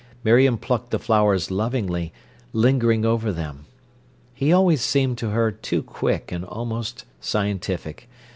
Miriam plucked the flowers lovingly, lingering over them. He always seemed to her too quick and almost scientific.